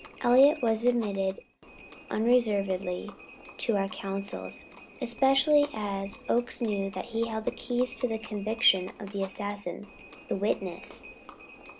Elliott was admitted unreservedly to our councils, especially as Oakes knew that he held the keys to the conviction of the assassin the witness.